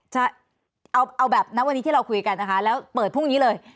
ใช่เอาแบบณวันนี้ที่เราคุยกันนะคะแล้วเปิดพรุ่งนี้เลย